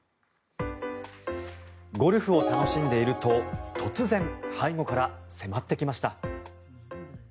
ゴルフを楽しんでいると突然、背後から迫ってきました。